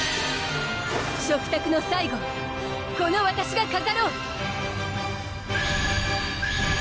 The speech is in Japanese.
食卓の最後をこのわたしが飾ろう！